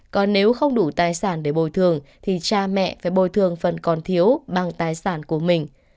còn nếu không đủ tài sản để bồi thường thì cha mẹ phải bồi thường phần còn thiếu bằng tài sản của mình